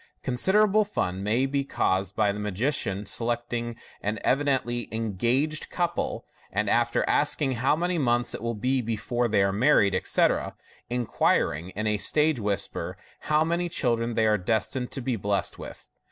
* Considerable fun may be caused by the magician selecting an evi dently " engaged " couple, and after asking how many months it will be before they are married, etc., inquiring, in a stage whisper, how many children they are destined to be blest with.